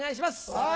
はい。